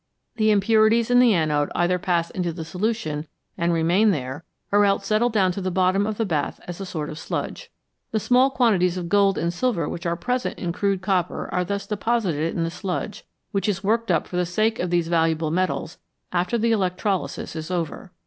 The impurities in the anode either pass into the solution and remain there, or else settle down to the bottom of the bath as a sort of sludge. The small quantities of gold and silver which are present in crude copper are thus deposited in the sludge, which is worked up for the sake of these valuable metals after the electrolysis is over.